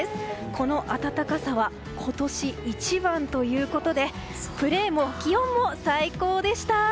この暖かさは今年一番ということでプレーも気温も最高でした。